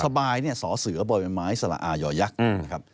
สบายเนี่ยสอเสือบ่อยไม้สละอายอยักษ์นะครับ